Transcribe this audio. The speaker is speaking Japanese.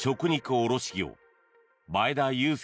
卸業前田裕介